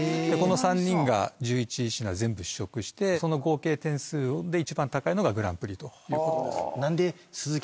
この３人が１１品全部試食してその合計点数で一番高いのがグランプリという事です。